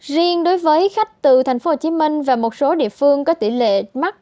riêng đối với khách từ tp hcm và một số địa phương có tỷ lệ mắc